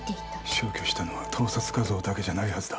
消去したのは盗撮画像だけじゃないはずだ。